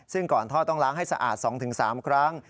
ซึ่งก่อนทอดต้องล้างให้สะอาด๒๓ครั้ง